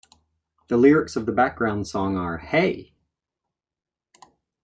The lyrics of the background song are Hey!